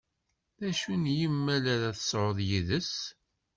D acu n yimmal ara tesɛuḍ yid-s?